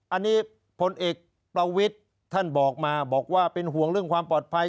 อันนี้พลเอกประวิทย์ท่านบอกมาบอกว่าเป็นห่วงเรื่องความปลอดภัย